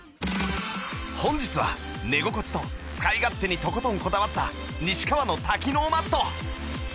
本日は寝心地と使い勝手にとことんこだわった西川の多機能マット